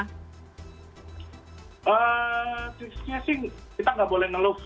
tipsnya sih kita gak boleh ngeluh